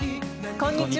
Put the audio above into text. こんにちは。